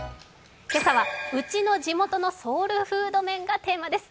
今朝は「うちの地元のソウルフード麺」がテーマです。